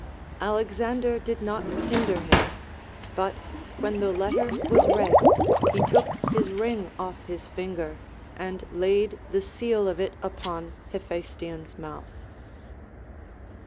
Alexander did not hinder him ; but when the letter was read, he took his ring off" his finger, and laid the seal of it upon Ile phaestion's mouth.